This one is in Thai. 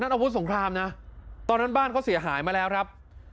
อาวุธสงครามนะตอนนั้นบ้านเขาเสียหายมาแล้วครับ